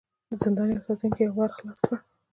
د زندان يوه ساتونکي يو ور خلاص کړ.